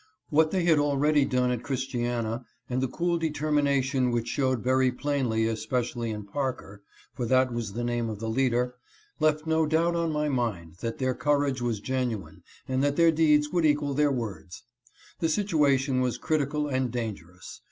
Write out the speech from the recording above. What they had already done at Christiana and the cool determination which showed very plainly especially in Parker, (for that was the name of the leader,) left no doubt on my mind that their courage was genuine and that their deeds would equal their words. The situation was critical and dangerous.